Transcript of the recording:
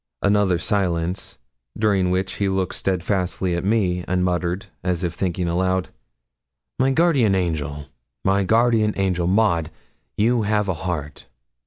Another silence, during which he looked steadfastly at me, and muttered, as if thinking aloud 'My guardian angel! my guardian angel! Maud, you have a heart.'